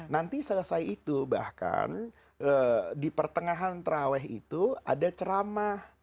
nanti selesai itu bahkan di pertengahan terawih itu ada ceramah